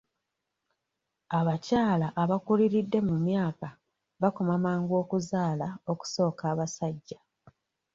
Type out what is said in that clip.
Abakyala abakuliridde mu myaka bakoma mangu okuzaala okusooka abasajja